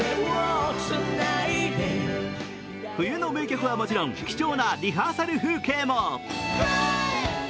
冬の名曲はもちろん貴重なリハーサル風景も。